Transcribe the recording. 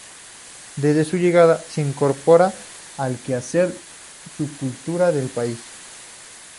Desde su llegada se incorpora al quehacer su cultura del país.